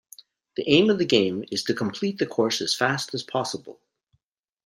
The aim of the game is to complete the course as fast as possible.